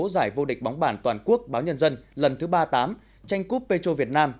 giải vô địch bóng bản toàn quốc báo nhân dân lần thứ ba tám tranh cúp petro việt nam